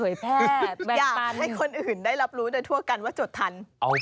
อยากให้คนอื่นได้รับรู้โดยทั่วกันว่าจดทัน